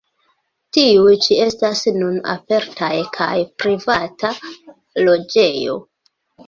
Tiuj ĉi estas nun apartaj kaj privata loĝejo.